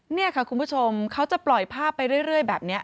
นี่ค่ะคุณผู้ชมเขาจะปล่อยภาพไปเรื่อยแบบนี้